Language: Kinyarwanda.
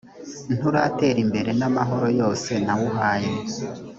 nturatera imbere n’ amahoro yose nawuhaye